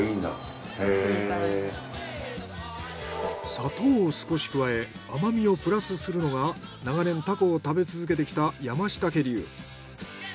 砂糖を少し加え甘みをプラスするのが長年タコを食べ続けてきた山下家流。